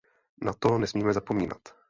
Na to nesmíme zapomínat!